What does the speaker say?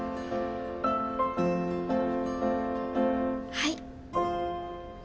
はい。